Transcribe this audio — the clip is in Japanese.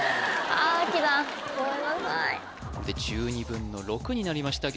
１２分の６になりました